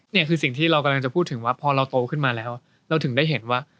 นี่คือสิ่งที่เรากำลังจะพูดถึงว่าพอเราโตขึ้นมาแล้วเราถึงได้เห็นว่า